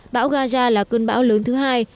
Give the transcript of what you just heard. bão gaja là cơn bão lớn thứ hai